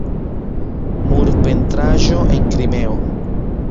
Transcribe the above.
Murpentraĵo en Krimeo.